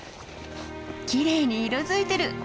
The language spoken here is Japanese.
きれいに色づいてる！